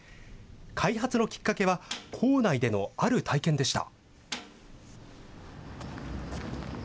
開発のきっかけは、校内でのある体験でした。